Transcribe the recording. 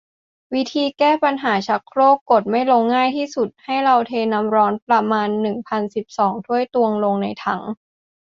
วิธีแก้ปัญหาชักโครกกดไม่ลงที่ง่ายที่สุด ให้เราเทน้ำร้อนประมาณ หนึ่งพันสิบสอง ถ้วยตวง ลงในถัง